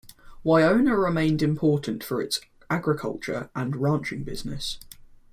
Wynona remained important for its agriculture and ranching business.